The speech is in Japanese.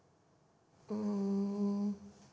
うん。